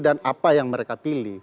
dan apa yang mereka pilih